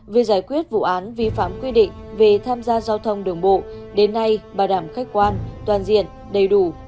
về giải quyết vụ án vi phạm quy định về tham gia giao thông đường bộ đến nay bảo đảm khách quan toàn diện đầy đủ